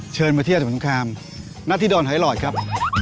เชิญมาเที่ยวสุดท้องคลามณที่ดอนหอยหลอดครับ